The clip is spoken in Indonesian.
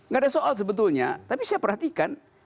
gak ada soal sebetulnya tapi saya perhatikan